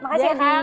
makasih ya kang